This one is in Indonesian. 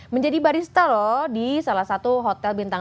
menjadi barista loh di salah satu hotel bintang